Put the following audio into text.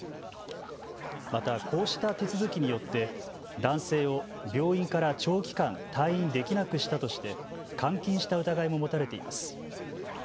また、こうした手続きによって男性を病院から長期間退院できなくしたとして監禁した疑いも持たれています。